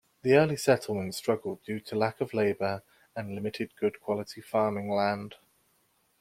The early settlement struggled due to lack of labour and limited good-quality farming land.